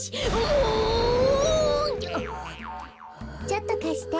ちょっとかして。